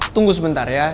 tunggu sebentar ya